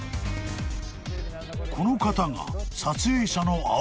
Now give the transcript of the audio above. ［この方が］